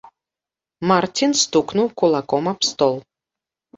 Марцін стукнуў кулаком аб стол.